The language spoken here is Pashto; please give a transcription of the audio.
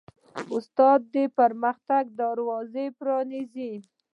استاد د پرمختګ دروازې پرانیزي.